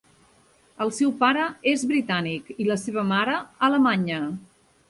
El seu pare és britànic i la seva mare, alemanya.